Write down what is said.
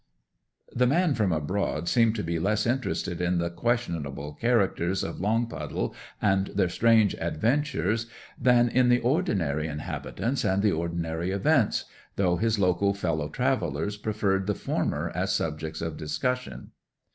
The man from abroad seemed to be less interested in the questionable characters of Longpuddle and their strange adventures than in the ordinary inhabitants and the ordinary events, though his local fellow travellers preferred the former as subjects of discussion.